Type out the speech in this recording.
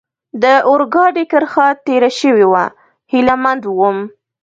د اورګاډي کرښه تېره شوې وه، هیله مند ووم.